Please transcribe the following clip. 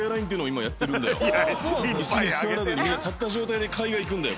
椅子に座らずにみんな立った状態で海外行くんだよ